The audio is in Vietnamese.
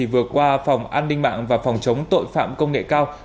vừa qua phòng an ninh mạng và phòng chống tội phạm công nghệ cao